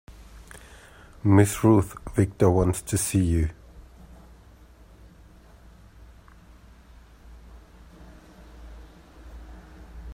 Mrs. Ruth Victor wants to see you.